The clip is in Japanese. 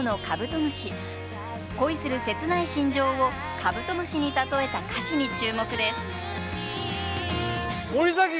恋する切ない心情をカブトムシにたとえた歌詞に注目です。